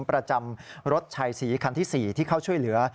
ประจำรถชัยศรีคันที่๔ที่เข้าช่วยเหลือ